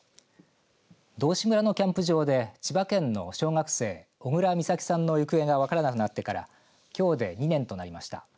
道志村のキャンプ場で千葉県の小学生、小倉美咲さんの行方が分からなくなってからきょうで２年となりました。